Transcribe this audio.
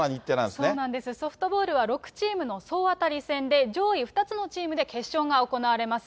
そうなんです、ソフトボールは６チームの総当たり戦で、上位２つのチームで決勝が行われます。